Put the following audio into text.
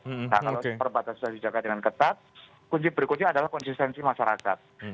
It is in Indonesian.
nah kalau perbatasan dijaga dengan ketat kunci berikutnya adalah konsistensi masyarakat